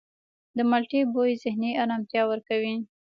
د مالټې بوی ذهني آرامتیا ورکوي.